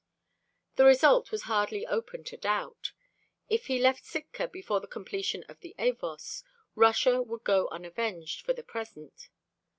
The result was hardly open to doubt. If he left Sitka before the completion of the Avos, Russia would go unavenged for the present.